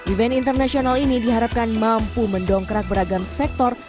event internasional ini diharapkan mampu mendongkrak beragam sektor